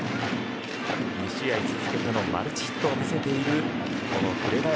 ２試合続けてのマルチヒットを見せているこの紅林。